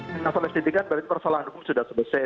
masalah istitikan berarti persalahan hukum sudah sebesar